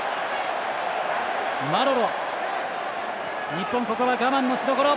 日本、ここは我慢のしどころ。